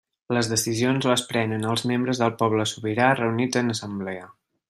Les decisions les prenen els membres del poble sobirà reunits en assemblea.